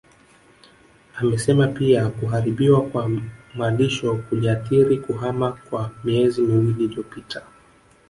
Amesema pia kuharibiwa kwa malisho kuliathiri kuhama kwao miezi miwili iliyopita